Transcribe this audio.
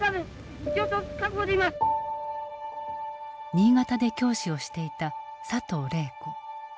新潟で教師をしていた佐藤禮子。